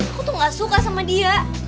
aku tuh gak suka sama dia